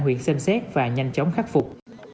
huyện xem xét và nhanh chóng khắc phục